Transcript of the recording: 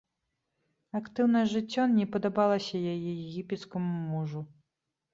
Актыўнае жыццё не падабалася яе егіпецкаму мужу.